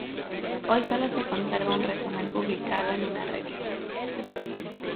Hoy solo se conserva un resumen publicado en una revista.